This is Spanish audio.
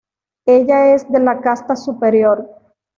Ella es de la casta superior.